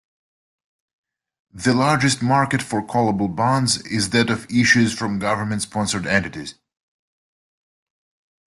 The largest market for callable bonds is that of issues from government sponsored entities.